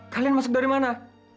kalian masuk dari mana